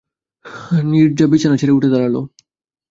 নীরজা বিছানা ছেড়ে উঠে দাঁড়াল।